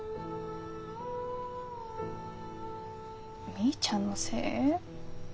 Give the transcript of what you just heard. みーちゃんのせい？